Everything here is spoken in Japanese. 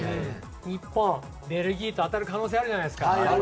日本、ベルギーと当たる可能性あるじゃないですか。